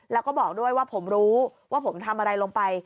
แล้วก็บอกด้วยว่าผมรู้ว่าผมทำอะไรลงไป